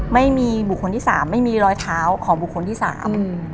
ไม่มีบุคคลที่สามไม่มีรอยเท้าของบุคคลที่สามอืม